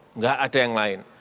enggak ada yang lain